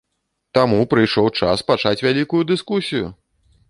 Таму прыйшоў час пачаць вялікую дыскусію!